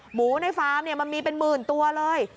หมูในฟาร์มมันมีเป็นหมื่นตัวเลย